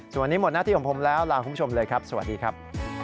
สวัสดีครับสวัสดีครับ